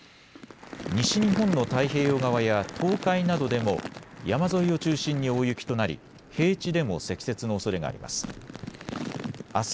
西日本の太平洋側や東海などでも山沿いを中心に大雪となり平地でも積雪のおそれがあります。